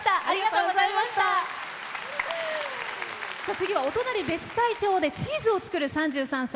次はお隣別海町でチーズを作る３３歳。